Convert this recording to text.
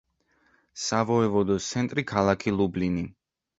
სავოევოდოს ცენტრი ქალაქი ლუბლინი.